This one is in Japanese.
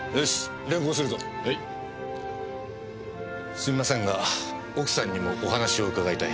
すみませんが奥さんにもお話を伺いたい。